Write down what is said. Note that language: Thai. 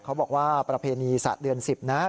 เขาบอกว่าประเพณีศาสตร์เดือน๑๐นะฮะ